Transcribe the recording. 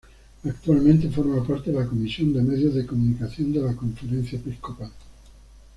Actualmente forma parte de la comisión de Medios de Comunicación de la Conferencia Episcopal.